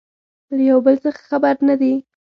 له يو بل څخه خبر نه دي